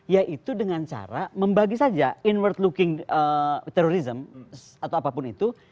yaitu dengan cara membagi saja inward looking terorisme atau apapun itu